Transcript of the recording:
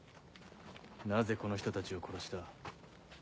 なぜこの人たちを殺した？